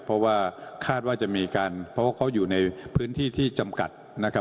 เพราะว่าคาดว่าจะมีการเพราะว่าเขาอยู่ในพื้นที่ที่จำกัดนะครับ